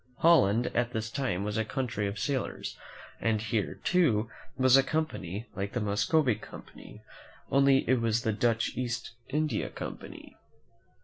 Holland, at this time, was a country of sailors, and here, too, was a company like the Muscovy Company, only it was called .i^^ the Dutch East India Company.